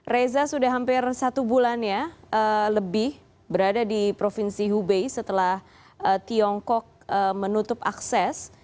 reza sudah hampir satu bulan ya lebih berada di provinsi hubei setelah tiongkok menutup akses